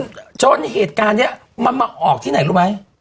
จนเหตุการณ์เนี้ยมันมาออกที่ไหนรู้ไหม